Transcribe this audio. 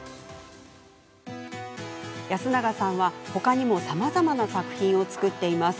安永さんは、ほかにもさまざまな作品を作っています。